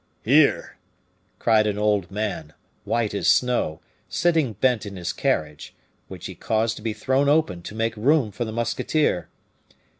"Here!" cried an old man, white as snow, sitting bent in his carriage, which he caused to be thrown open to make room for the musketeer.